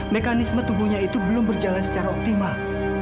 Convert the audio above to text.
mekanisme tubuhnya itu belum berjalan secara optimal